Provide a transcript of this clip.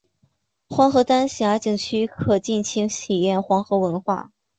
黄河丹霞景区可尽情体验黄河文化。